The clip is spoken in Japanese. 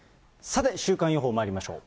さて、週間予報まいりましょう。